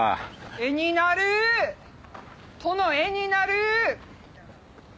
絵になる殿絵になる。